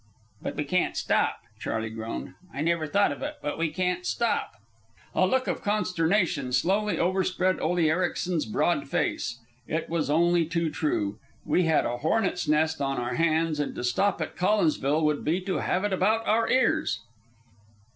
"But we can't stop," Charley groaned. "I never thought of it, but we can't stop." A look of consternation slowly overspread Ole Ericsen's broad face. It was only too true. We had a hornet's nest on our hands, and to stop at Collinsville would be to have it about our ears.